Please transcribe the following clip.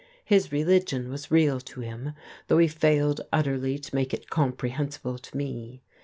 His religion was real to him, though he failed utterly to make it comprehensible to me.